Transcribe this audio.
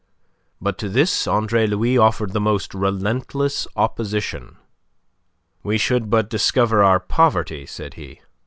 But to this Andre Louis offered the most relentless opposition. "We should but discover our poverty," said he.